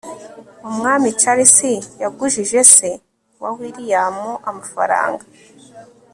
umwami charles yagujije se wa william amafaranga